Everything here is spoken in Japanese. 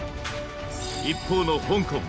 一方の香港。